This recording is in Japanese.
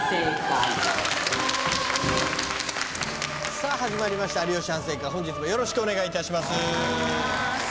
さぁ始まりました『有吉反省会』本日もよろしくお願いします。